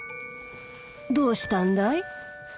どうしたんだい？